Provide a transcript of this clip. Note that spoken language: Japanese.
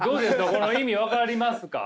この意味分かりますか？